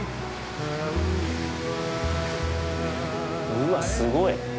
うわっすごい。